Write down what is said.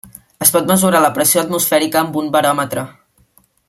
Es pot mesurar la pressió atmosfèrica amb un baròmetre.